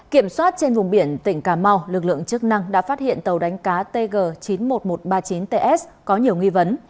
kiểm soát trên vùng biển tỉnh cà mau lực lượng chức năng đã phát hiện tàu đánh cá tg chín mươi một nghìn một trăm ba mươi chín ts có nhiều nghi vấn